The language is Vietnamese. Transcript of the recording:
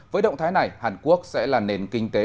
với động thái này hàn quốc sẽ là nền kinh tế